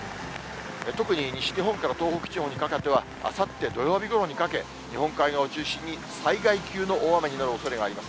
特に西日本から東北地方にかけては、あさって土曜日ごろにかけ、日本海側を中心に災害級の大雨になるおそれがあります。